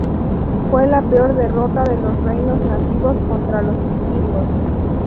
Fue la peor derrota de los reinos nativos contra los vikingos.